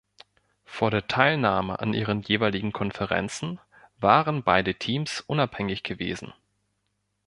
Vor der Teilnahme an ihren jeweiligen Konferenzen waren beide Teams unabhängig gewesen.